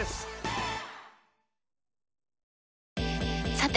さて！